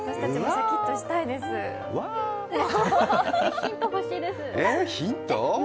ヒント欲しいです。